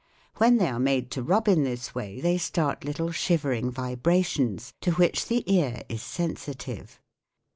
When they are made to rub in this way they start little shivering vibra tions to which the ear is sensitive.